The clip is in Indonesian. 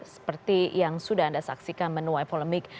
seperti yang sudah anda saksikan menuai polemik